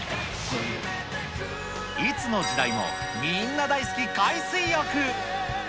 いつの時代もみんな大好き、海水浴。